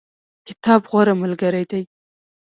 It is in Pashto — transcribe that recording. کتاب غوره ملګری دی